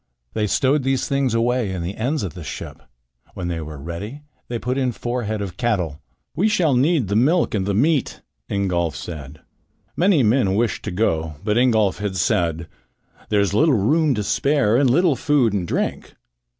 They stowed these things away in the ends of the ship. When they were ready they put in four head of cattle. "We shall need the milk and perhaps the meat," Ingolf said. Many men wished to go, but Ingolf had said: "There is little room to spare and little food and drink.